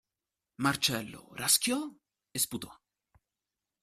Marcello raschiò e sputò.